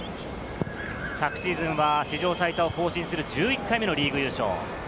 昨シーズンは史上最多を更新する１１回目のリーグ優勝。